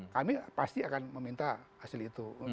kami pasti akan meminta hasil itu